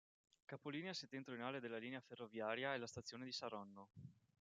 Capolinea settentrionale della linea ferroviaria è la stazione di Saronno.